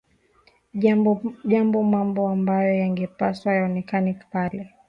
jambo mambo ambayo yangepaswa yaonekane pale